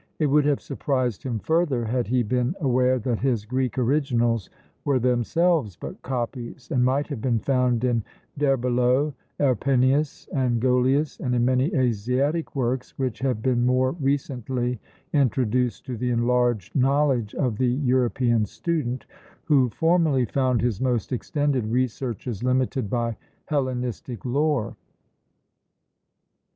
It would have surprised him further had he been aware that his Greek originals were themselves but copies, and might have been found in D'Herbelot, Erpenius, and Golius, and in many Asiatic works, which have been more recently introduced to the enlarged knowledge of the European student, who formerly found his most extended researches limited by Hellenistic lore.